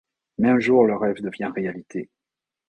Mais un jour le rêve devient réalité...